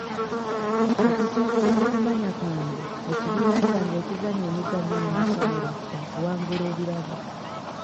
Okusinziira ku kumanya kwange ekibiina kyange ekizannya emizannyo mu masomero kyakuwangula ebirabo.